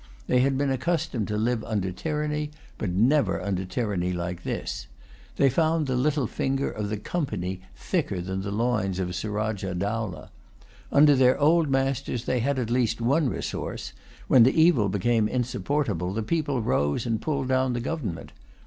They had been accustomed to live under tyranny, but never under tyranny like this. They found the little finger of the Company thicker than the loins of Surajah Dowlah. Under their old masters they had at least one resource: when the evil became insupportable, the people rose and pulled down the government.